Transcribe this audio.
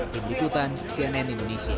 di berikutan cnn indonesia